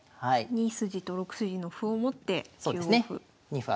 ２筋と６筋の歩を持って９五歩。